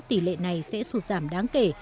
tỷ lệ này sẽ sụt giảm đáng kể